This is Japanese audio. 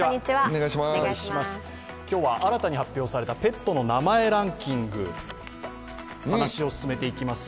今日は、新たに発表されたペットの名前ランキングで話を進めていきます。